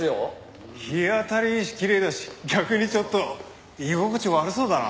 日当たりいいしきれいだし逆にちょっと居心地悪そうだな。